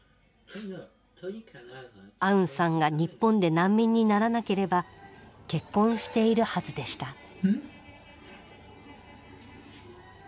アウンさんが日本で難民にならなければ結婚しているはずでした。